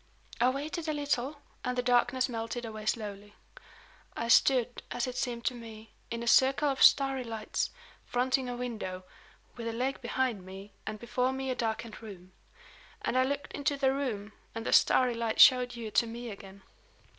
I waited a little, and the darkness melted away slowly. I stood, as it seemed to me, in a circle of starry lights; fronting a window, with a lake behind me, and before me a darkened room. And I looked into the room, and the starry light showed you to me again."